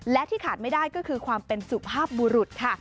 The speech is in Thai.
และที่ขาดไม่ได้ก็คือความเป็นสุภาพบุรุษค่ะ